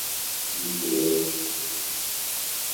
جلەکانم نایە بن گیا و بە ڕووتی چوومە تووتڕک خواردن